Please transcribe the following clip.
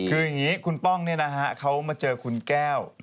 คือยังงี้คุณป้องเนี้ยนะฮะเค้ามาเจอคุณแก้ว